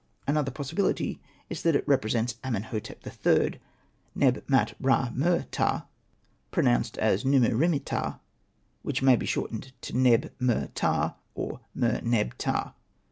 Another possi bility is that it represents Amenhotep III., Neb. maat.ra. mer. ptah, pronounced as Nimu rimiptah, which might be shortened to Neb. mer. ptah or Mer. neb. ptah.